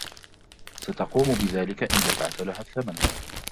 ستقوم بذلك إن دفعت لها الثمن.